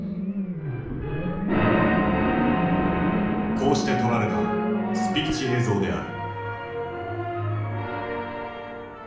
こうして撮られたスピーチ映像である。